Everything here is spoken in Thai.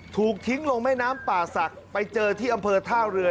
ถูกทิ้งลงแม่น้ำป่าศักดิ์ไปเจอที่อำเภอท่าเรือ